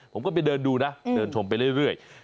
ผมก็ไปเดินดูนะเดินชมไปเรื่อย